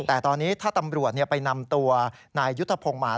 แต่ตอนนี้ถ้าตำรวจไปนำตัวนายยุทธพงศ์มา